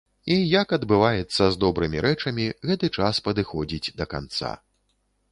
І як адбываецца з добрымі рэчамі, гэты час падыходзіць да канца.